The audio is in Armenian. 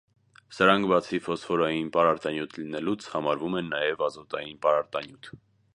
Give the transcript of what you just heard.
Սրանք բացի ֆոսֆորային պարարտանյութ լինելուց, ահամրվում է նաև ազոտային պարարտանյութ։